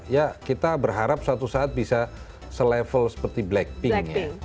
ya kita berharap suatu saat bisa selevel seperti blackpink ya